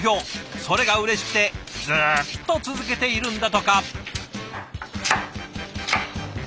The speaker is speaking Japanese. それがうれしくてずっと続けているんだとか。